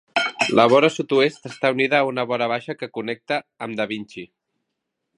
La vora sud-oest està unida a una vora baixa que connecta amb da Vinci.